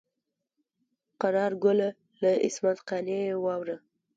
قرار ګله له عصمت قانع یې واوره.